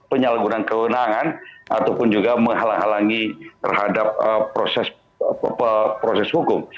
penyalahgunaan kewenangan ataupun juga menghalangi terhadap proses hukum